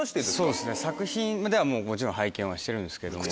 そうですね作品ではもちろん拝見はしてるんですけども。